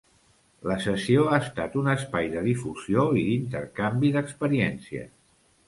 La sessió ha estat un espai de difusió i d'intercanvi d'experiències.